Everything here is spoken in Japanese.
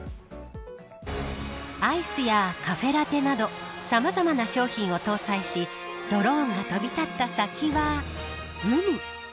アイスやカフェラテなどさまざまな商品を搭載しドローンが飛び立った先は海。